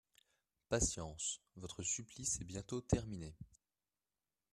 Patience, votre supplice est bientôt terminé